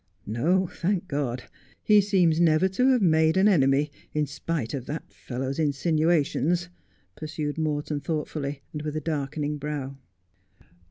' No, thank God. He seems never to have made an enemy, in spite of that fellow's insinuations,' pursued Morton thought fully, and with a darkening brow.